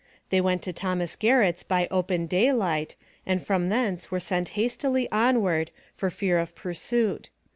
They went to Thomas Garrett's by open day light and from thence were sent hastily onward for fear of pursuit.